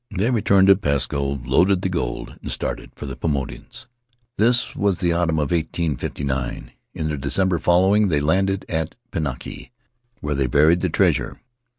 They returned to Pisco, loaded the gold, and started for Paumotus. "This was in the autumn of eighteen fifty nine. In the December following they landed at Pinaki, where they buried the treasure.